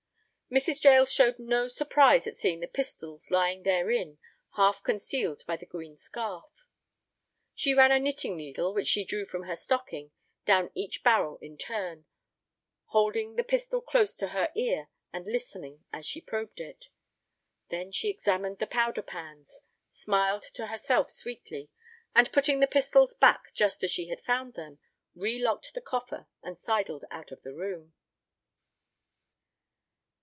Mrs. Jael showed no surprise at seeing the pistols lying therein half concealed by the green scarf. She ran a knitting needle, which she drew from her stocking, down each barrel in turn, holding the pistol close to her ear and listening as she probed it. Then she examined the powder pans, smiled to herself sweetly, and, putting the pistols back just as she had found them, relocked the coffer and sidled out of the room.